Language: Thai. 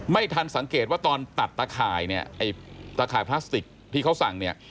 ไม่ทันสังเกตว่าตอนตัดตะข่ายเนี่ยไอ้ตะข่ายพลาสติกที่เขาสั่งเนี่ย